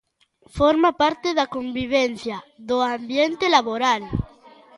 Forma parte da convivencia, do ambiente laboral.